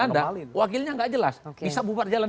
ada wakilnya gak jelas bisa bubar jalan